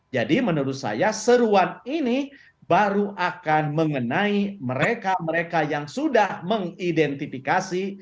jadi menurut saya seruan ini baru akan mengenai mereka mereka yang sudah mengidentifikasi